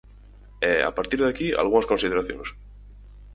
E, a partir de aquí, algunhas consideracións.